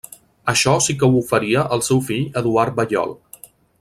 Això sí que ho faria el seu fill Eduard Balliol.